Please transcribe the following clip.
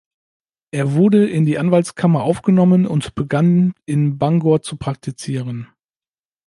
Er wurde in die Anwaltskammer aufgenommen und begann in Bangor zu praktizieren.